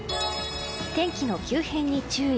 天気の急変に注意。